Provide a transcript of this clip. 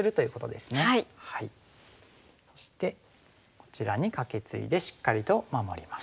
そしてこちらにカケツイでしっかりと守ります。